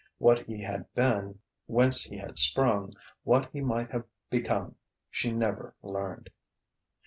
What he had been, whence he had sprung, what he might have become, she never learned....